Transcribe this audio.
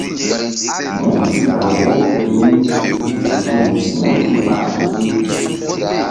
Múmbi law wo geŋ mi su-su músi ɓa suki.